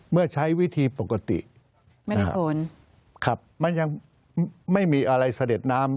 เมื่อใช้วิธีปกติไม่ได้โอนครับมันยังไม่มีอะไรเสด็จน้ำ